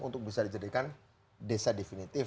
untuk bisa dijadikan desa definitif